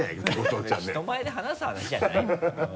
人前で話す話じゃないよ。